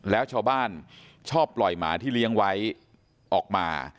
แล้วชาวบ้านชอบปล่อยหมาที่เลี้ยงไว้ออกมา